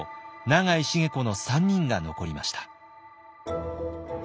永井繁子の３人が残りました。